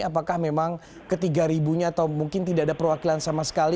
apakah memang ketiga ribunya atau mungkin tidak ada perwakilan sama sekali